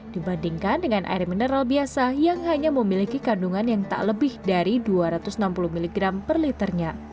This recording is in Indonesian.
dibandingkan dengan air mineral biasa yang hanya memiliki kandungan yang tak lebih dari dua ratus enam puluh mg per liternya